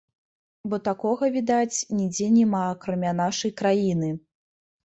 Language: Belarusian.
Бо такога, відаць, нідзе няма акрамя нашай краіны.